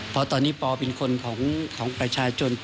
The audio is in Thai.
เพราะตอนนี้ปอเป็นคนของประชาชน